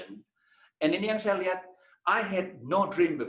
dan di yangsel saya tidak pernah mimpi